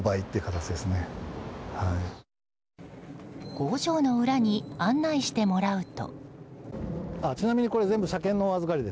工場の裏に案内してもらうと。